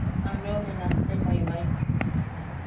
Ameu ne nattemaebae.